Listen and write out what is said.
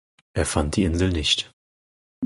Er fand die Insel nicht.